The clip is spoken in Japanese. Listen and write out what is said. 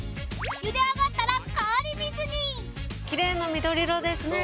ゆで上がったら氷水にきれいな緑色ですね。